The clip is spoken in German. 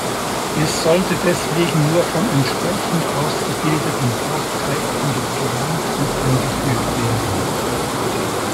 Es sollte deswegen nur von entsprechend ausgebildeten Fachkräften geplant und eingeführt werden.